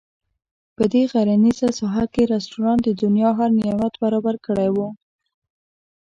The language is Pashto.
په دې غرنیزه ساحه کې رسټورانټ د دنیا هر نعمت برابر کړی وو.